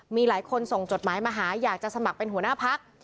มีหลายคนส่งจดหมายมาหาอยากจะสมัครเป็นหัวหน้าพัก